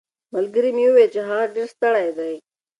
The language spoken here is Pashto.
ملګري مې وویل چې هغه ډېر ستړی دی.